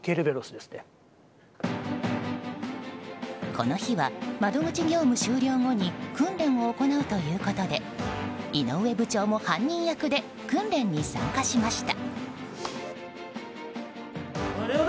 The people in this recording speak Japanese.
この日は、窓口業務終了後に訓練を行うということで井上部長も犯人役で訓練に参加しました。